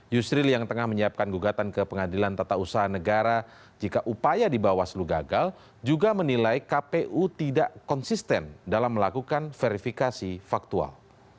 yusril yang tengah menyiapkan gugatan ke pengadilan tata usaha negara jika upaya di bawaslu gagal juga menilai kpu tidak konsisten dalam melakukan verifikasi faktual